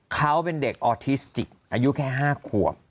เขาเป็นเด็กออทิสติกอายุแค่๕ขวบ